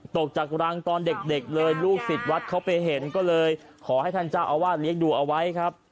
ตกจากรังตอนเด็กเลยลูกศิษย์วัดเขาไปเห็นก็เลยขอให้ท่านเจ้าอาวาสเลี้ยงดูเอาไว้ครับ